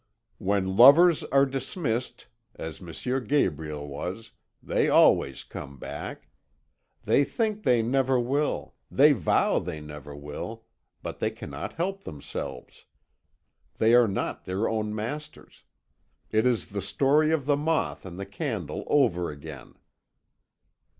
When lovers are dismissed, as M. Gabriel was, they always come back. They think they never will they vow they never will but they cannot help themselves. They are not their own masters. It is the story of the moth and the candle over again."